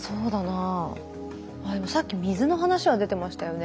あっでもさっき水の話は出てましたよね。